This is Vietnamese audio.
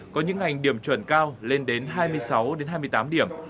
có những ngành điểm chuẩn cao lên đến hai mươi sáu hai mươi tám điểm